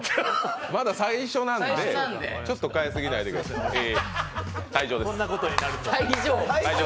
まだ最初なので、ちょっと変えすぎないでください。